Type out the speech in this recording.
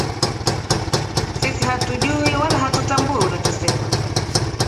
Sisi hatujui wala hatutambui unachosema